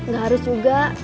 gak harus juga